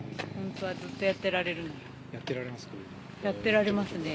やってられます？